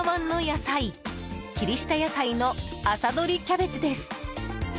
野菜の朝採りキャベツです。